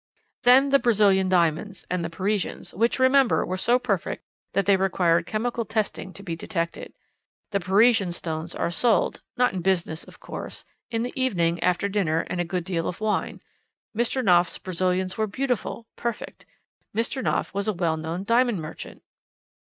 "Then the Brazilian diamonds, and the Parisians which, remember, were so perfect that they required chemical testing to be detected. The Parisian stones are sold not in business, of course in the evening, after dinner and a good deal of wine. Mr. Knopf's Brazilians were beautiful; perfect! Mr. Knopf was a well known diamond merchant.